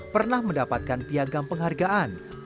pernah mendapatkan piagam penghargaan